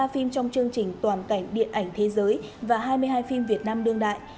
ba phim trong chương trình toàn cảnh điện ảnh thế giới và hai mươi hai phim việt nam đương đại